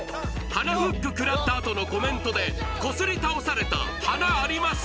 鼻フック食らったあとのコメントでこすり倒された「鼻あります？」